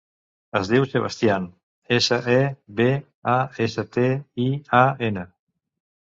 Es diu Sebastian: essa, e, be, a, essa, te, i, a, ena.